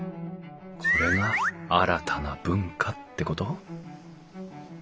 これが新たな文化ってこと？